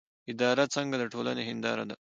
اداره څنګه د ټولنې هنداره ده؟